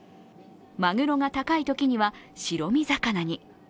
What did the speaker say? マグロが高いときには白身魚に。